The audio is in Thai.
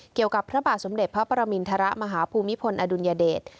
เกี่ยวกับพระบาทสมเด็จพระปรมิณฐระมหาภูมิพลอดุญเดช